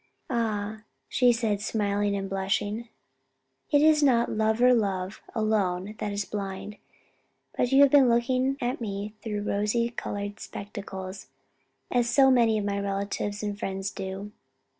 "Ah," she said smiling and blushing, "it is not lover love alone that is blind; you have been looking at me through rose colored spectacles, as so many of my relatives and friends do."